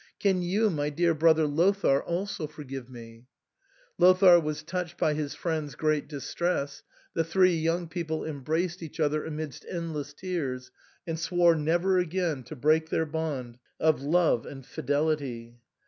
Can you, my dear brother Lothair, also forgive me ?" Lothair was touched by his friend's great distress ; the three young people em braced each other amidst endless tears, and swore never again to break their bond of love and fidelity.